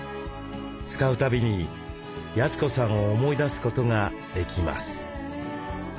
使うたびに八千子さんを思い出すことができます。